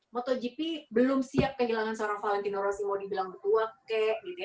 motogp belum siap kehilangan seorang valentino rossi mau dibilang berdua kek gitu ya